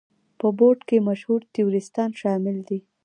په بورډ کې مشهور تیوریستان شامل دي.